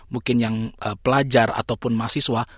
mungkin yang pelajar ataupun mahasiswa